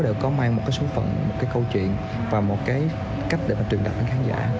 đều có mang một cái số phận một cái câu chuyện và một cái cách để mà truyền đặt đến khán giả